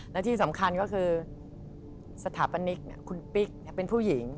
และที่สำคัญก็คือสถาปนิกคุณปิ๊กเป็นผู้หญิง